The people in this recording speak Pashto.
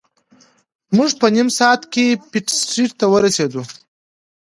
موږ په نیم ساعت کې پیټ سټریټ ته ورسیدو.